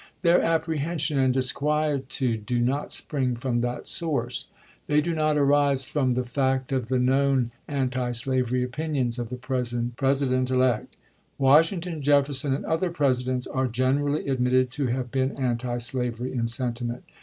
Their apprehension and disquie tude do not spring from that source. They do not arise from the fact of the known antislavery opinions of the President elect. Washington, Jefferson, and other Pres idents are generally admitted to have been antislavery in sentiment.